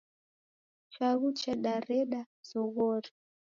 Chaghu chadareda zoghori.